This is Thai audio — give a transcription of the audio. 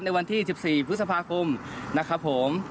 ในวันที่๑๔พฤษภาคมนะครับผม